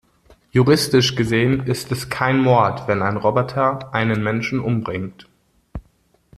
Juristisch gesehen ist es kein Mord, wenn ein Roboter einen Menschen umbringt.